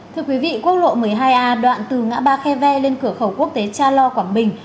thưa quý vị quốc lộ một mươi hai a đoạn từ ngã ba khe ve lên cửa khẩu quốc tế cha lo quảng bình